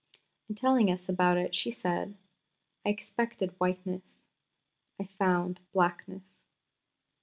In telling us about it she said: "I expected whiteness, I found blackness."